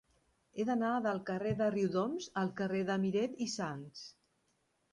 He d'anar del carrer de Riudoms al carrer de Miret i Sans.